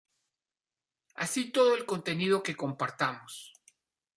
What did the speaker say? así todo el contenido que compartamos